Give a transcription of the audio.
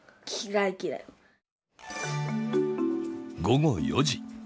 午後４時。